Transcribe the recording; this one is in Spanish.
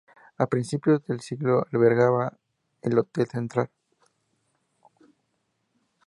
A principios del siglo albergaba el Hotel Central.